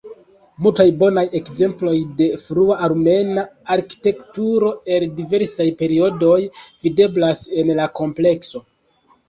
Multaj bonaj ekzemploj de frua armena arkitekturo el diversaj periodoj videblas en la komplekso.